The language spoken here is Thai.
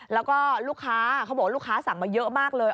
แล้วก็ลูกค้าลูกค้าสั่งมาเยอะมากเลย